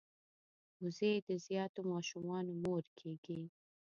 وزې د زیاتو ماشومانو مور کیږي